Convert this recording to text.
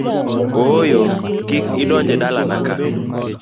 Ooyo, kik idonji e dalana ka!